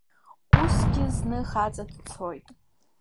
Усгьы зны хаҵа дцоит.